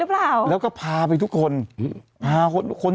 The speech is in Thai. มันมาอีกแล้ว